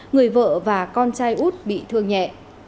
người vợ và con trai út bị thương nhẹ